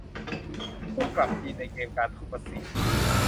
สู้กลับจีนในเกม "การทูตวัคซีน"